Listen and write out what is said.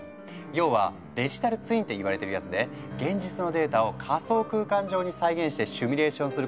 要はデジタルツインって言われてるやつで現実のデータを仮想空間上に再現してシミュレーションすることができるの。